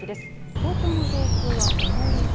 東京の上空は曇り空。